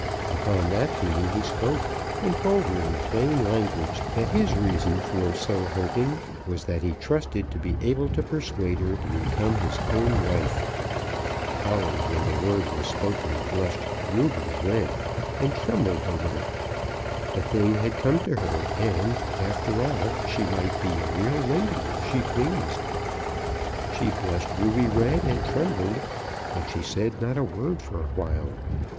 Upon that theme he spoke, and told her in plain language that his reason for so hoping was that he trusted to be able to persuade her to become his own wife. Polly, when the word was spoken, blushed ruby red, and trembled a little. The thing had come to her, and, after all, she might be a real lady if she pleased. She blushed ruby red, and trembled, but she said not a word for a while.